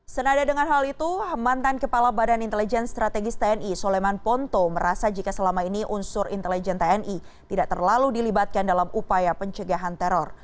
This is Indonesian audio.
senada dengan hal itu mantan kepala badan intelijen strategis tni soleman ponto merasa jika selama ini unsur intelijen tni tidak terlalu dilibatkan dalam upaya pencegahan teror